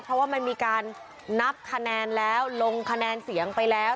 เพราะว่ามันมีการนับคะแนนแล้วลงคะแนนเสียงไปแล้ว